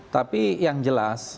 tapi yang jelas